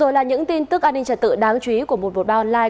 rồi là những tin tức an ninh trật tự đáng chú ý của một trăm một mươi ba online